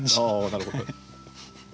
なるほど。